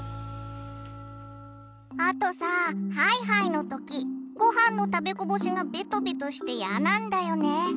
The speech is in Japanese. あとさハイハイの時ごはんの食べこぼしがベトベトしてやなんだよね。